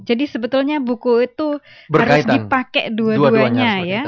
jadi sebetulnya buku itu harus dipakai dua duanya